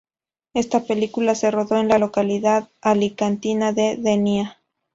Esta película se rodó en la localidad alicantina de Denia.